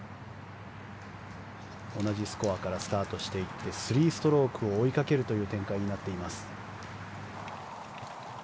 同じスコアからスタートしていって３ストロークを追いかけるという展開になっています。